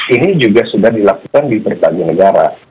ini juga sudah dilakukan di berbagai negara